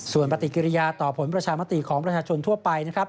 ส่วนปฏิกิริยาต่อผลประชามติของประชาชนทั่วไปนะครับ